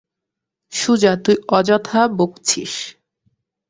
সুজা, তুই অযথা বকছিস।